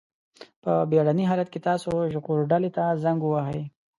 په بېړني حالت کې تاسو ژغورډلې ته زنګ ووهئ.